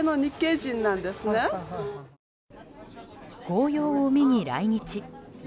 紅葉を見に来日。